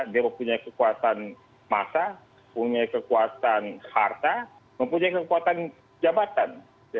dia mempunyai kekuatan massa punya kekuatan harta mempunyai kekuatan jabatan